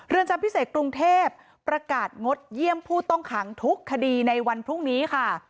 จำพิเศษกรุงเทพประกาศงดเยี่ยมผู้ต้องขังทุกคดีในวันพรุ่งนี้ค่ะ